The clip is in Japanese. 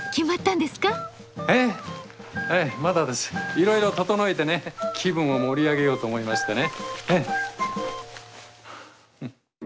いろいろ整えてね気分を盛り上げようと思いましてね。